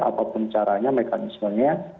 apapun caranya mekanismenya